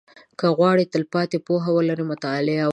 • که غواړې تلپاتې پوهه ولرې، مطالعه وکړه.